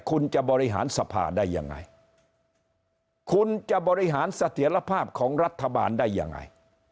คุณจะบริหารสภาได้ยังไงคุณจะบริหารเสถียรภาพของรัฐบาลได้ยังไง